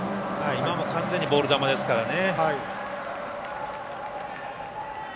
今も完全にボール球ですからね。